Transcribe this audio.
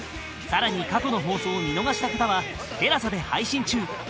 更に過去の放送を見逃した方はテラサで配信中